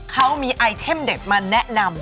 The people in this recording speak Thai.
เขามีไอเทมเด็ดมาแนะนำ